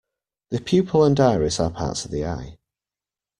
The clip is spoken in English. The pupil and iris are parts of the eye.